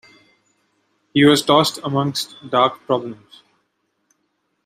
He was tossed amongst dark problems.